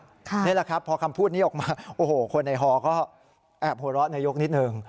นี่แหละครับพอคำพูดนี้ออกมาโอ้โหคนในฮอก็แอบหัวเราะนายกนิดนึง